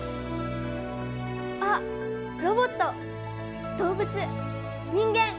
あっロボット動物人間！